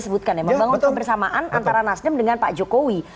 membangun kebersamaan antara nasdem dengan pak jokowi